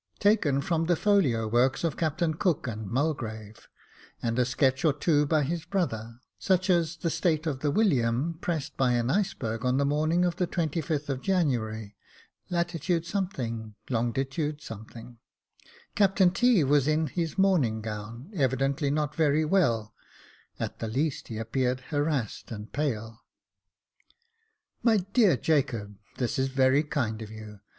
taken from the folio works of Captains Cook and Mulgrave j and a sketch or two by his brother, such as the state of the William pressed by an iceberg on the morning of the 25th of January, lat. —, long. —. Captain T. was in his morning gown, evidently not very well, at least he appeared harassed and pale. " My dear Jacob, this is very kind of you.